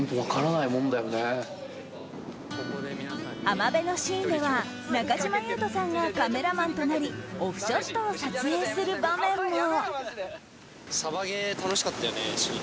浜辺のシーンでは中島裕翔さんがカメラマンとなりオフショットを撮影する場面も。